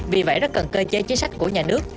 vì vậy rất cần cơ chế chính sách của nhà nước